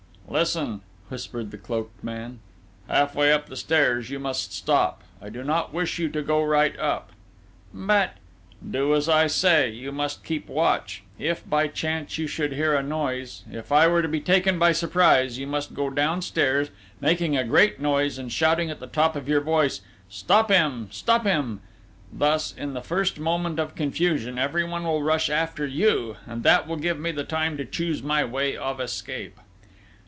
"Listen," whispered the cloaked man. "Half way up the stairs, you must stop: I do not wish you to go right up...." "But..." "Do as I say! You must keep watch.... If, by chance, you should hear a noise, if I were to be taken by surprise, you must go downstairs, making a great noise and shouting at the top of your voice: 'Stop him!... Stop him!...' Thus, in the first moment of confusion, everyone will rush after you, and that will give me time to choose my way of escape."